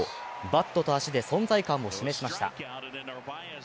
バットと足で存在感を示しました。